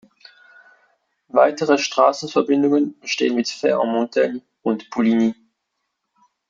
Weitere Straßenverbindungen bestehen mit Fay-en-Montagne und Poligny.